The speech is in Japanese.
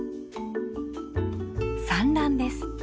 産卵です。